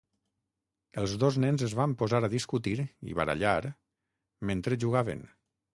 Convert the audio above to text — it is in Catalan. Els dos nens es van posar a discutir i barallar mentre jugaven.